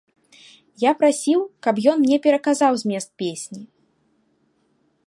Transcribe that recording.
Я прасіў, каб ён мне пераказаў змест песні.